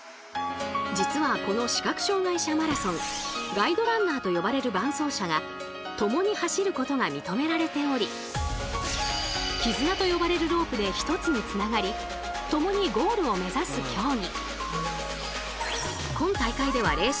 ガイドランナーと呼ばれる伴走者が共に走ることが認められており「きずな」と呼ばれるロープで一つにつながり共にゴールを目指す競技。